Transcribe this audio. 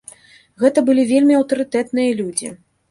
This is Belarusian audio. Гэта былі вельмі аўтарытэтныя людзі.